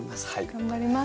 頑張ります。